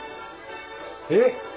えっ！